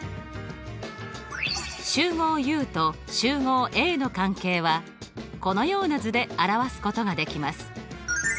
集合Ｕと集合Ａの関係はこのような図で表すことができます。